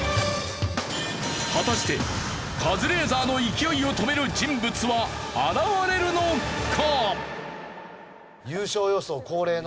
果たしてカズレーザーの勢いを止める人物は現れるのか！？